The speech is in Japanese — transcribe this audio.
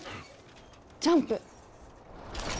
ジャンプ。